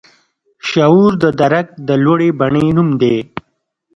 شعور د درک د لوړې بڼې نوم دی.